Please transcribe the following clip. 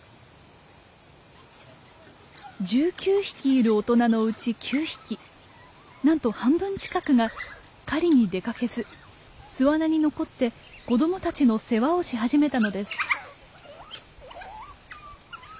１９匹いる大人のうち９匹なんと半分近くが狩りに出かけず巣穴に残って子供たちの世話をし始めたのです。